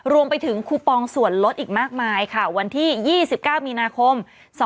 รวมไปถึงคูปองส่วนลดอีกมากมายค่ะวันที่๒๙มีนาคม๒๕๖